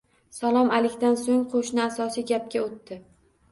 Salom-alikdan soʻng qoʻshni asosiy gapga oʻtdi